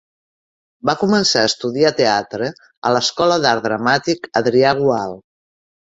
Va començar a estudiar teatre a l’Escola d’Art Dramàtic Adrià Gual.